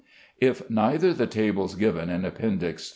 If neither the tables given in Appendix III.